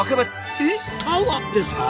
えっタワーですか！？